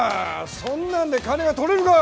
そんなんで金が取れるか。